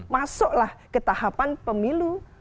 masuklah ke tahapan pemilu